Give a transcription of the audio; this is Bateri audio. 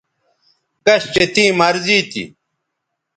کش چہ تیں مرضی تھی